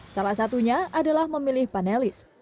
salah satunya adalah memilih panelis